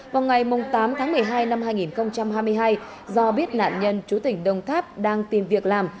vào ngày tám tháng một mươi hai năm hai nghìn hai mươi hai do biết nạn nhân chú tỉnh đồng tháp đang tìm việc làm